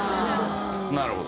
なるほど。